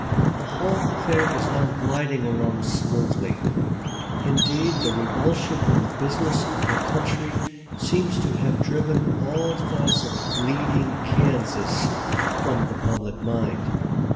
The whole affair is now gliding along smoothly. Indeed, the revulsion in the business of the country seems to have driven all thoughts of "bleeding Kansas" from the public mind.